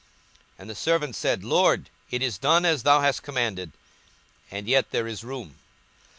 42:014:022 And the servant said, Lord, it is done as thou hast commanded, and yet there is room.